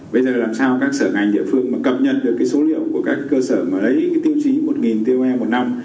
bây giờ làm sao các sở ngành địa phương cập nhật được số liệu của các cơ sở mà lấy tiêu chí một toe một năm